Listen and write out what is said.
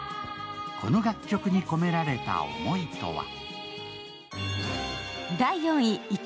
この楽曲に込められた思いとは。